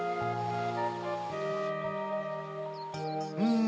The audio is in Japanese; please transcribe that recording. うん！